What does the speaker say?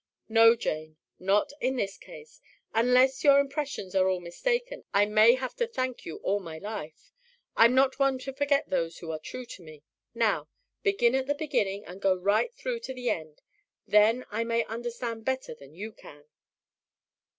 "No, Jane, not in this case. Unless your impressions are all mistaken I may have to thank you all my life. I'm not one to forget those who are true to me. Now, begin at the beginning and go right through to the end; then I may understand better than you can."